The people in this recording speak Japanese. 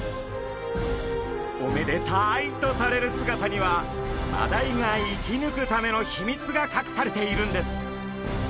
おめでタイとされる姿にはマダイが生きぬくためのひみつがかくされているんです。